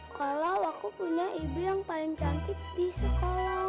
kalau aku punya ibu yang paling cantik di sekolah